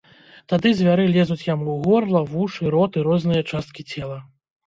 Тады звяры лезуць яму ў горла, вушы, рот і розныя часткі цела.